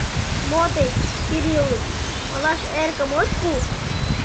— Мо тый, Кириллыч, малаш эрыкым от пу?